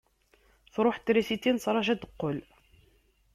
Truḥ trisiti, nettraju ad d-teqqel.